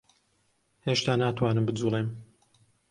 هێشتا ناتوانم بجووڵێم.